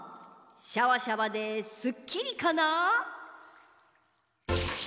シャワシャワですっきりかな？